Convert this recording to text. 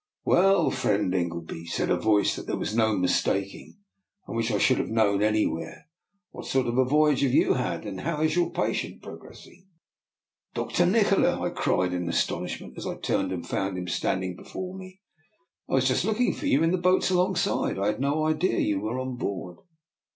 " Well, friend Ingleby," said a voice that there was no mistaking, and which I should have known anywhere, what sort of a voy age have you had, and how is your patient progressing? "" Dr. Nikola! '* I cried in astonishment, as I turned and found him standing before me, " I was just looking for you in the boats alongside. I had no idea you were on board."